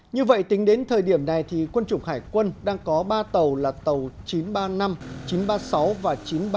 như vậy tính đến thời điểm này thì quân chủng hải quân đang có ba tàu là tàu chín trăm ba mươi năm chín trăm ba mươi sáu và chín trăm ba mươi ba